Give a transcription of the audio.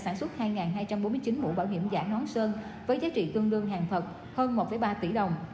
nói về một nghìn hai trăm bốn mươi chín mũ bảo hiểm giả nón sơn với giá trị tương đương hàng thật hơn một ba tỷ đồng